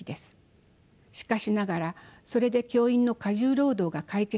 しかしながらそれで教員の過重労働が解決されるわけではありません。